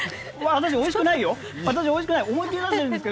私おいしくないよ。